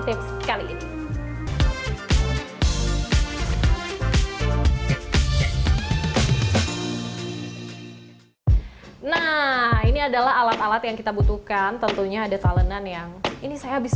tips kali ini nah ini adalah alat alat yang kita butuhkan tentunya ada talenan yang ini saya habis